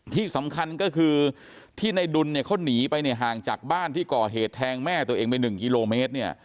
ที่สำคัญก็คือที่ในดุลเนี่ยเขาหนีไปเนี่ยห่างจากบ้านที่ก่อเหตุแทงแม่ตัวเองไป๑กิโลเมตรเนี่ย